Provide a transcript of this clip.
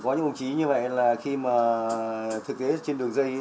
có những đồng chí như vậy là khi mà thực tế trên đường dây